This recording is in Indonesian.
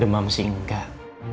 demam sih enggak